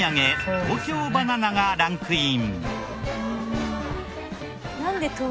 東京ばな奈がランクイン。